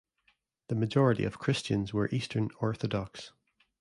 The majority of Christians were Eastern Orthodox.